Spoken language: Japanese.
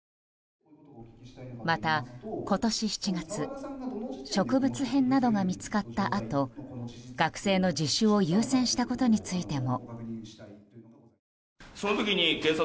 また、今年７月植物片などが見つかったあと学生の自首を優先したことについても。